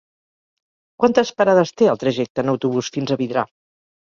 Quantes parades té el trajecte en autobús fins a Vidrà?